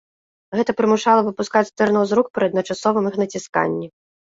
Гэта прымушала выпускаць стырно з рук пры адначасовым іх націсканні.